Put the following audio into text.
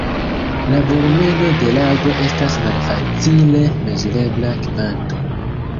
La volumeno de lago estas malfacile mezurebla kvanto.